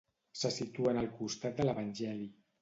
Se situa en el costat de l'evangeli.